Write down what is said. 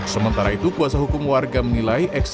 sementara itu kuasa hukum warga menilai eksekutif